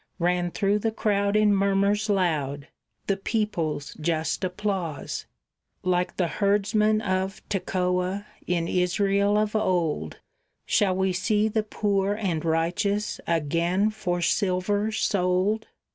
Ran through the crowd in murmurs loud the people's just applause. "Like the herdsman of Tekoa, in Israel of old, Shall we see the poor and righteous again for silver sold?"